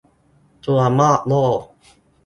ควรมอบโล่